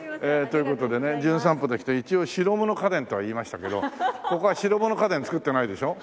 という事でね『じゅん散歩』で来て一応白物家電とは言いましたけどここは白物家電つくってないでしょ？